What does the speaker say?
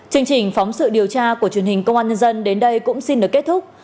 chương trình phóng sự điều tra của truyền hình công an nhân dân đến đây cũng xin được kết thúc